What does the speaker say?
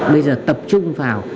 bây giờ tập trung vào